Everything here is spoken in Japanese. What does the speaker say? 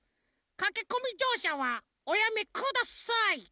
かけこみじょうしゃはおやめください」。